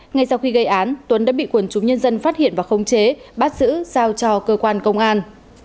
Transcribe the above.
ngay sau khi gây án tuấn đã bị quần chúng nhân dân phát hiện và khống chế bắt giữ giao cho cơ quan công an